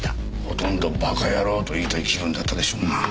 ほとんどバカヤロウと言いたい気分だったでしょうな。